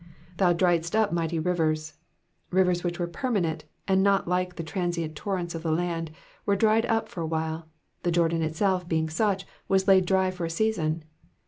^"Thou driedst up mighty rit^ers^''^ rivers which were permanent, and not like the transient torrents of the land, were dried up for awhile ; the Jordan itself, being such, was laid dry for a season.